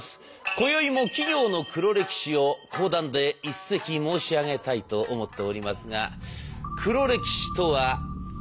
こよいも企業の黒歴史を講談で一席申し上げたいと思っておりますが。